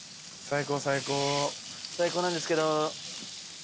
最高なんですけど。